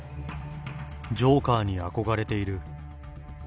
ジョーカーに憧れている。